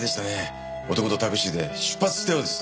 男とタクシーで出発したようです。